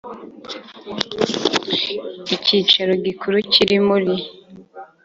Icyicaro gikuru kiri muri